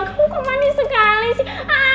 kamu kok manis sekali sih